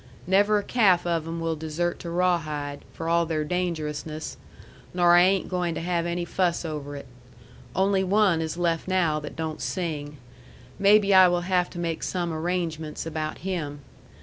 Never a calf of them will desert to Rawhide, for all their dangerousness; nor I ain't goin' to have any fuss over it. Only one is left now that don't sing. Maybe I will have to make some arrangements about him.